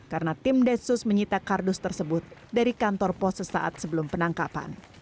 karena tim d s menyita kardus tersebut dari kantor pos sesaat sebelum penangkapan